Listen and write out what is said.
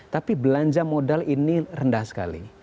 tapi belanja modal ini rendah sekali